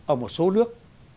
ở một số nước